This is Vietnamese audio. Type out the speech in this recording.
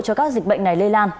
cho các dịch bệnh này lây lan